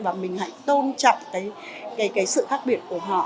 và mình hãy tôn trọng cái sự khác biệt của họ